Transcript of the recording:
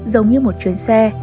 giống như một chuyến xe